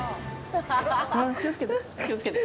あ気をつけて気をつけて。